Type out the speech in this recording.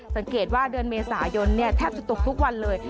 สังเกตว่าเดือนเมษายนแทบจะตกทุกวันเลย